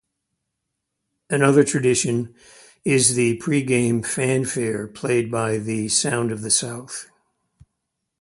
Another tradition is the pregame "Fanfare" played by the Sound of the South.